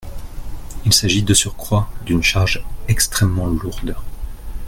Il s’agit de surcroît d’une charge extrêmement lourde.